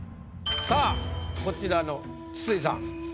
さあこちらの筒井さん。